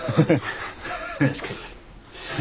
確かに。